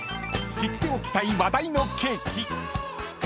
［知っておきたい話題のケーキ］